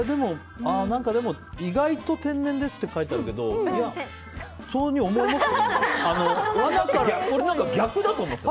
でも、意外と天然ですって書いてあるけど逆だと思ってた。